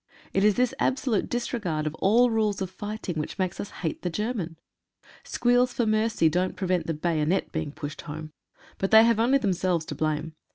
It is this absolute disregard of all rules of fighting which makes us hate the German. Squeals for mercy don't prevent the bayonet being pushed home, but they 125 WATCHING THE SHELLS. have only themselves to blame.